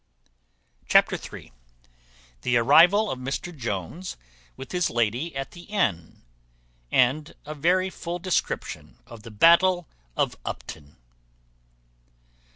Chapter iii. The arrival of Mr Jones with his lady at the inn; with a very full description of the battle of Upton.